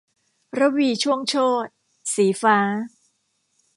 รวีช่วงโชติ - สีฟ้า